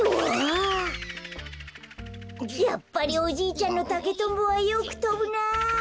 やっぱりおじいちゃんのたけとんぼはよくとぶな。